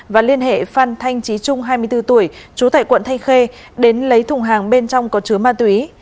và liên hệ phan thanh trí trung hai mươi bốn tuổi trú tại quận thanh khê đến lấy thùng hàng bên trong có chứa ma túy